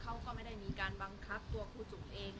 เขาก็ไม่ได้มีการบังคับตัวครูจุ๋มเอง